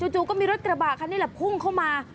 จู่ก็มีรถกระบะคันนี้แหละพุ่งเข้ามา